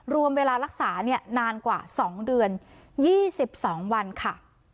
รวมเวลารักษานานกว่า๒เดือน๒๒วันค่ะ